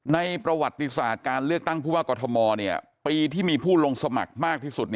ประวัติศาสตร์การเลือกตั้งผู้ว่ากอทมปีที่มีผู้ลงสมัครมากที่สุด